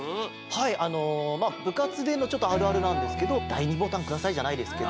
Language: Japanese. はいあのまあぶかつでのちょっとあるあるなんですけど「だい２ボタンください」じゃないですけど。